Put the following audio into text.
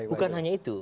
bukan hanya itu